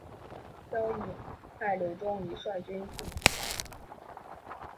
萧绎派柳仲礼率军进取襄阳。